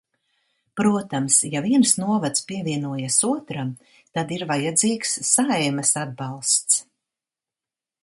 Protams, ja viens novads pievienojas otram, tad ir vajadzīgs Saeimas atbalsts.